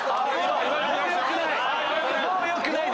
もう良くない！